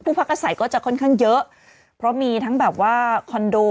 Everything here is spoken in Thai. พักอาศัยก็จะค่อนข้างเยอะเพราะมีทั้งแบบว่าคอนโด